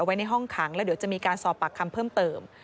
ไว้ในห้องขังแล้วเดี๋ยวจะมีการสอบปากคำเพิ่มเติม